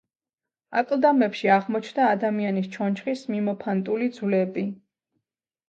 აკლდამებში აღმოჩნდა ადამიანის ჩონჩხის მიმოფანტული ძვლები.